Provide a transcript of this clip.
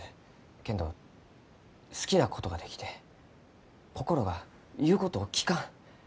けんど好きなことができて心が言うことを聞かん。